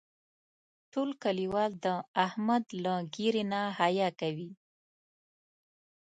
ټول کلیوال د احمد له ږیرې نه حیا کوي.